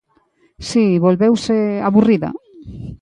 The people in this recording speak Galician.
Si, volveuse... aburrida.